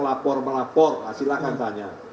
melapor melapor silahkan tanya